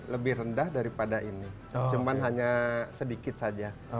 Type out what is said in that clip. lebih rendah daripada ini cuma hanya sedikit saja